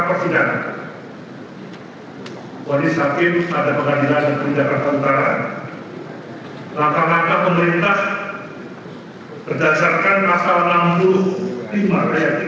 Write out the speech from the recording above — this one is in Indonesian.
pilihan rada serentak khusus di dki